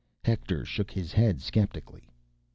Hector shook his head skeptically.